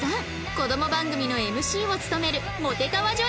こども番組の ＭＣ を務めるモテかわ女優も登場